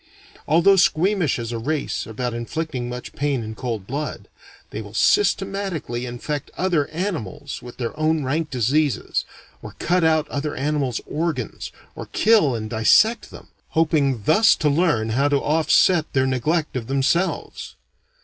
Although squeamish as a race about inflicting much pain in cold blood, they will systematically infect other animals with their own rank diseases, or cut out other animals' organs, or kill and dissect them, hoping thus to learn how to offset their neglect of themselves.